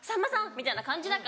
みたいな感じだから。